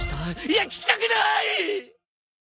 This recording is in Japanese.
いや聞きたくない！